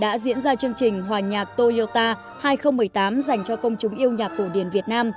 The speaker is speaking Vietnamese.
đã diễn ra chương trình hòa nhạc toyota hai nghìn một mươi tám dành cho công chúng yêu nhạc cổ điển việt nam